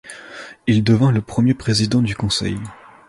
Il devint le premier président du conseil.